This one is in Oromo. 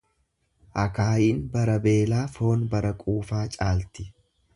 Akaayiin bara beelaa foon bara quufaa caalti.